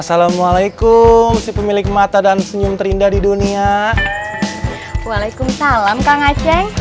assalamualaikum si pemilik mata dan senyum terindah di dunia waalaikumsalam kang aceh